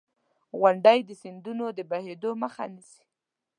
• غونډۍ د سیندونو د بهېدو مخه نیسي.